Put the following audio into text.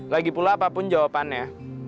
lagi pula apapun jawabannya